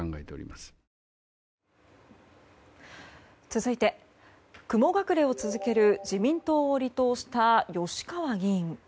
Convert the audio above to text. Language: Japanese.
続いて、雲隠れを続ける自民党を離党した吉川議員。